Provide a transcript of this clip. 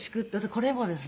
これもですね。